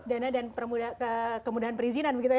dana dan kemudahan perizinan begitu ya